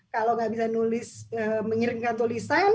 kalau nggak bisa nulis mengirimkan tulisan